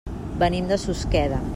Venim de Susqueda.